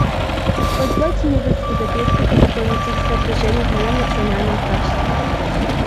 Позвольте мне высказать несколько дополнительных соображений в моем национальном качестве.